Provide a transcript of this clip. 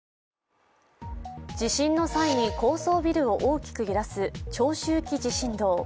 地震の際に高層ビルを大きく揺らす長周期地震動。